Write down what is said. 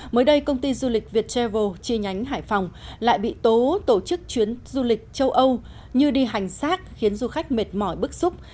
mới đây công ty du lịch viettravel chi nhánh hải phòng lại bị tố tổ chức chuyến du lịch châu âu như đi hành xác khiến du khách mệt mỏi bức xúc